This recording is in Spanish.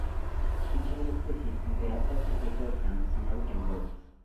Ficha de la especie en The Atlas of Southern African Birds.